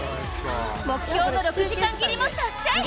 目標の６時間切りも達成！